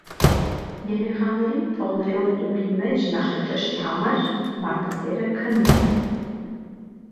Երեխաներին թողնելով տուփի մեջ «նախաճաշի համար»՝ մարդակերը քնում է։